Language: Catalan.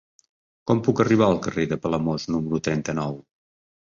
Com puc arribar al carrer de Palamós número trenta-nou?